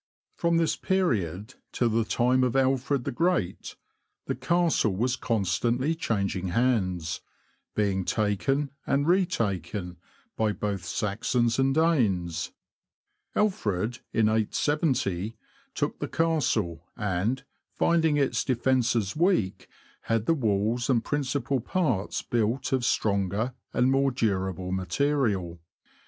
From this period till the time of Alfred the Great, the Castle was constantly changing hands, being taken and retaken by both Saxons and Danes. Alfred, in 870, took the Castle, and, finding its defences weak, had the walls and principal parts built of stronger and more durable material.